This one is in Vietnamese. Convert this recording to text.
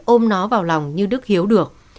ôm nó vào lòng như đức hiếu được